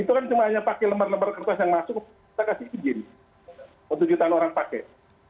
itu kan cuma hanya pakai lembar lembar kertas yang masuk kita kasih izin untuk jutaan orang pakai